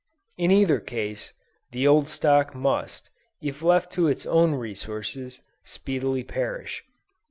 In either case, the old stock must, if left to its own resources, speedily perish.